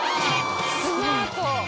スマート。